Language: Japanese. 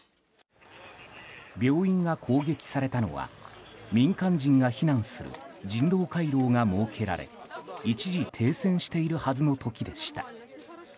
病院が攻撃されたのは民間人が避難する人道回廊が設けられ一時停戦しているはずの時でした。